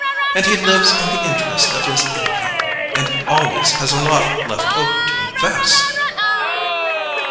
And he lives on the interest of his income, and always has a lot left over to invest!"